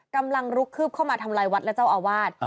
กำลังลุกคืบเข้ามาทำลายวัดและเจ้าอาวาส